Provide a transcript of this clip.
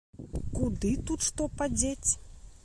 Куды тут што падзець?